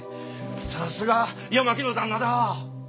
さすが八巻の旦那だ！